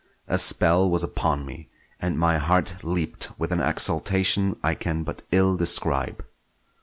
A spell was upon me, and my heart leaped with an exultation I can but ill describe.